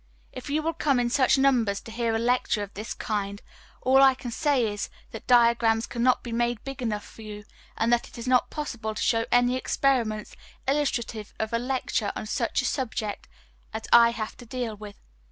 If you will come in such numbers to hear a lecture of this kind, all I can say is, that diagrams cannot be made big enough for you, and that it is not possible to show any experiments illustrative of a lecture on such a subject as I have to deal with.